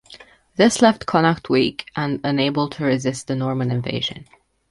This left Connacht weak and unable to resist the Norman invasion.